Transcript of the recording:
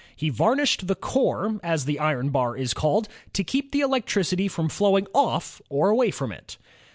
He varnished the core, as the iron bar is called, to keep the electricity from flowing off or away from it.